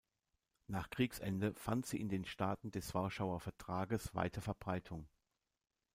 Nach Kriegsende fand sie in den Staaten des Warschauer Vertrages weite Verbreitung.